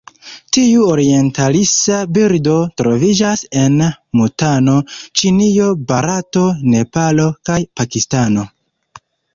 Tiu orientalisa birdo troviĝas en Butano, Ĉinio, Barato, Nepalo kaj Pakistano.